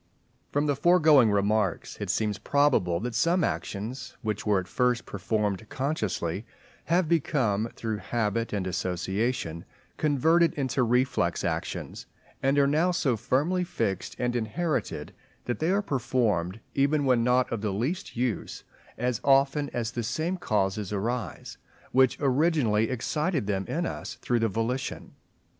From the foregoing remarks it seems probable that some actions, which were at first performed consciously, have become through habit and association converted into reflex actions, and are now so firmly fixed and inherited, that they are performed, even when not of the least use, as often as the same causes arise, which originally excited them in us through the volition.